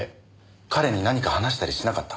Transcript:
彼に何か話したりしなかった？